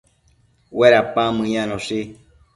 Uedapan meyanoshi